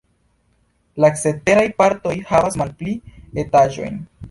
La ceteraj partoj havas malpli etaĝojn.